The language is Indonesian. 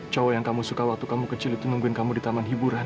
cowok yang kamu suka waktu kamu kecil itu nungguin kamu di taman hiburan